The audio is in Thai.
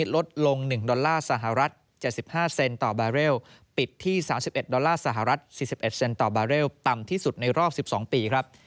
รดลง๑สหรัฐ๗๕ต่อบาร์เรลปิดที่๓๑สหรัฐ๔๑ต่อบาร์เรลต่ำที่สุดในรอบ๑๒ปีครับ